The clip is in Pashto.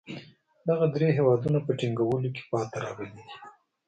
دغه درې هېوادونه په ټینګولو کې پاتې راغلي دي.